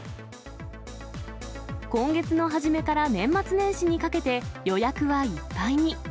今月の初めから年末年始にかけて、予約はいっぱいに。